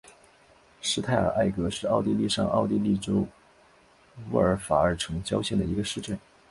施泰尔埃格是奥地利上奥地利州乌尔法尔城郊县的一个市镇。